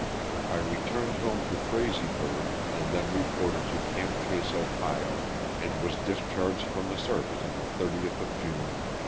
I returned home to Frazeysburgh, and then reported to "Camp Chase," Ohio, and was discharged from the service on the 30th of June, 1865.